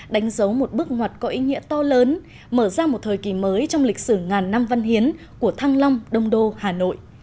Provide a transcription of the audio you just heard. đánh dấu một bước ngoặt có ý nghĩa to lớn mở ra một thời kỳ mới trong lịch sử ngàn năm văn hiến của thăng long đông đô hà nội